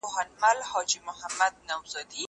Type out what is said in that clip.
زه ليکلي پاڼي ترتيب کړي دي!؟